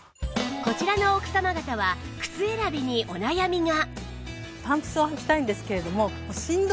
こちらの奥様方は靴選びにお悩みが